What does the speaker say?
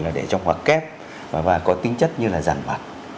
là để trong hoạt kép và có tính chất như là giản bạc